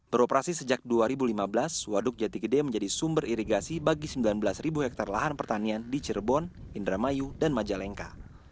beroperasi sejak dua ribu lima belas waduk jati gede menjadi sumber irigasi bagi sembilan belas hektare lahan pertanian di cirebon indramayu dan majalengka